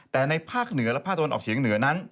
แต่ในภาคเหนือและภาคตะวันออกเฉียงเหนือนั้น